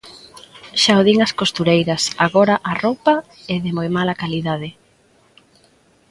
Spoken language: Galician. Xa o din as costureiras: agora a roupa é de moi mala calidade.